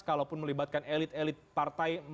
kalaupun melibatkan elit elit partai